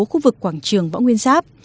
khu vực quảng trường võ nguyên giáp